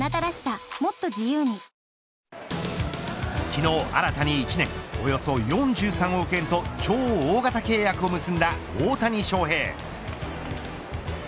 昨日新たに１年およそ４３億円と超大型契約を結んだ大谷翔平。